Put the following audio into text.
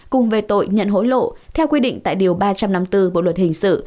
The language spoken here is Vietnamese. cùng về tội nhận hối lộ theo quy định tại điều ba trăm năm mươi bốn bộ luật hình sự